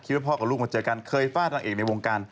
ว่าพ่อกับลูกมาเจอกันเคยฟาดนางเอกในวงการ